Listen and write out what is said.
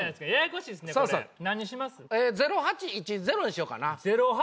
０８１０にしようかな。